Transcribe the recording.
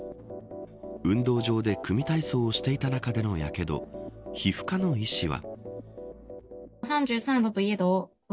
運動場で組み体操をしていた中でのやけどは皮膚科の医師は。